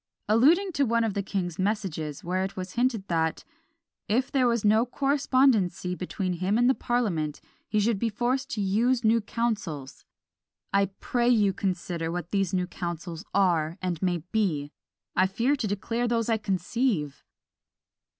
Alluding to one of the king's messages, where it was hinted that, if there was "no correspondency between him and the parliament, he should be forced to use new counsels," "I pray you consider what these new counsels are, and may be: I fear to declare those I conceive!"